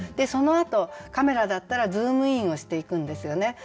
そのあとカメラだったらズームインをしていくんですよね。